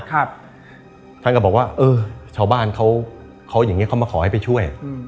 ท่านก็บอกว่าเออชาวบ้านเขาอย่างนี้เขามาขอให้ไปช่วย